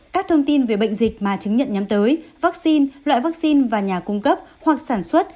các thông tin về bệnh dịch mà chứng nhận nhắm tới vaccine loại vaccine và nhà cung cấp hoặc sản xuất